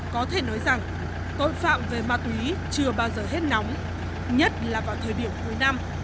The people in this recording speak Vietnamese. có thể nói rằng tội phạm về ma túy chưa bao giờ hết nóng nhất là vào thời điểm cuối năm